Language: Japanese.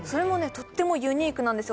とってもユニークなんですよ